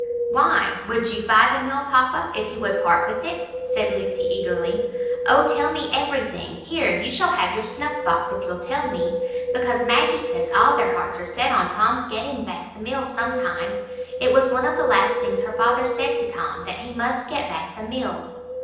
"Why? Would you buy the mill, papa, if he would part with it?" said Lucy, eagerly. "Oh, tell me everything; here, you shall have your snuff box if you'll tell me. Because Maggie says all their hearts are set on Tom's getting back the mill some time. It was one of the last things her father said to Tom, that he must get back the mill."